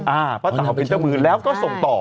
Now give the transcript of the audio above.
ป้าเต๋าเป็นเจ้ามือแล้วก็ส่งต่อ